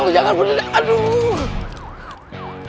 aduh jangan bunuh diri aduh